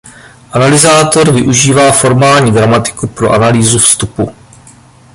Analyzátor využívá formální gramatiku pro analýzu vstupu.